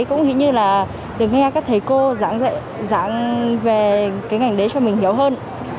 cũng như là được nghe các thầy cô dạng về cái ngành đấy cho mình hiểu hơn